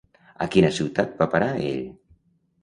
A quina ciutat va parar ell?